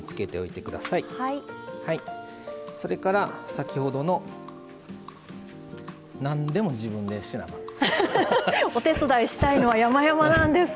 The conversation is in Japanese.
それから、先ほどのなんでも自分でせなあかんです。